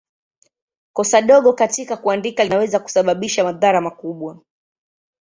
Kosa dogo katika kuandika linaweza kusababisha madhara makubwa.